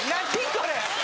これ。